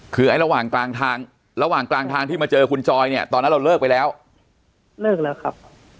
คือไอ้ระหว่างกลางทางระหว่างกลางทางที่มาเจอคุณจอยเนี่ยตอนนั้นเราเลิกไปแล้วเลิกแล้วครับ